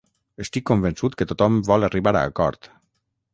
Estic convençut que tothom vol arribar a acord.